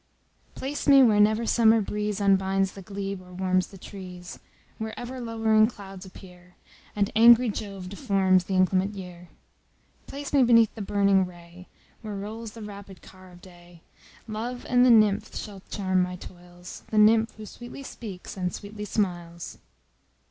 _[*][*] Place me where never summer breeze Unbinds the glebe, or warms the trees: Where ever lowering clouds appear, And angry Jove deforms th' inclement year. Place me beneath the burning ray, Where rolls the rapid car of day; Love and the nymph shall charm my toils, The nymph who sweetly speaks, and sweetly smiles.